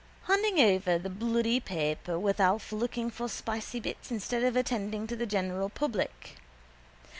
Hanging over the bloody paper with Alf looking for spicy bits instead of attending to the general public.